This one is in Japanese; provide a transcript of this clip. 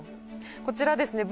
こちらですね